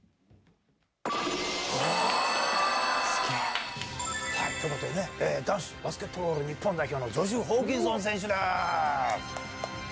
すげぇ。ということでね、男子バスケットボール日本代表のジョシュ・ホーキンソン選手です。